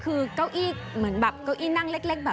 ประเพณีนี้ปกติก็จะมีการทำบุญและทำขนมมาเส้นวายบรรพบุรษกันมากมาย